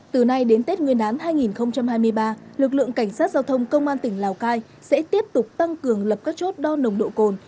từ nay đến tết nguyên đán hai nghìn hai mươi ba lực lượng cảnh sát giao thông công an tỉnh lào cai sẽ tiếp tục tăng cường lập các chốt đo nồng độ cồn